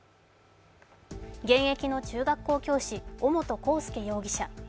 現役の中学校教師、尾本幸祐容疑者